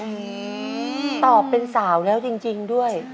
ตอบเป็นสาวแล้วจริงด้วย